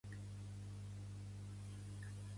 Vull escoltar una mica de música catalana.